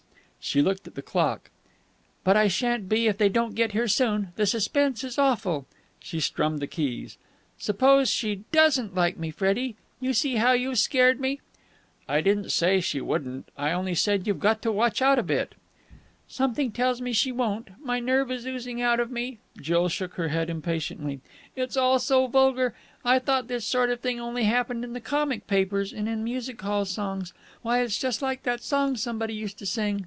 She looked at the clock. "But I shan't be if they don't get here soon. The suspense is awful." She strummed the keys. "Suppose she doesn't like me, Freddie! You see how you've scared me." "I didn't say she wouldn't. I only said you'd got to watch out a bit." "Something tells me she won't. My nerve is oozing out of me." Jill shook her head impatiently. "It's all so vulgar! I thought this sort of thing only happened in the comic papers and in music hall songs. Why, it's just like that song somebody used to sing."